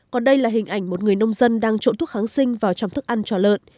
còn đây là hình ảnh một người nông dân đang trộn thuốc kháng sinh vào trong thức ăn cho lợn